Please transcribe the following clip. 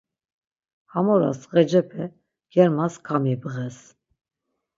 Ham oras ğecepe germas kamibğes.